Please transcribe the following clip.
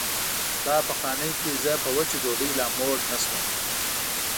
ستا په خانۍ کې زه په وچه ډوډۍ لا موړ نه شوم.